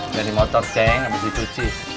udah di motor ceng abis itu cis